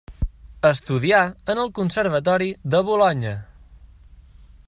Estudià en el Conservatori de Bolonya.